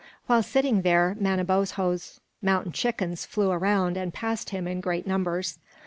While sitting there, Manabozho's mountain chickens flew around and past him in great numbers.